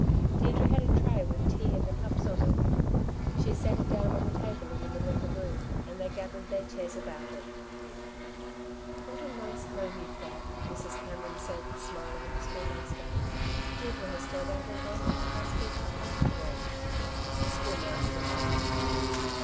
Deirdre had a tray with tea and the cups on it. She set it down on the table in the middle of the room, and they gathered their chairs about it. "What a nice home you've got," Mrs. Cameron said, smiling at the Schoolmaster. "Deirdre has turned out a wonderful housekeeper after all." The Schoolmaster laughed.